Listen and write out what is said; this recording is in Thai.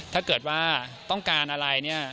ถ้าเกิดว่าต้องการอะไร